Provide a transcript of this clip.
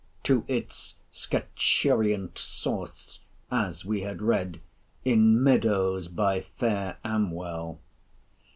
—to its scaturient source, as we had read, in meadows by fair Amwell.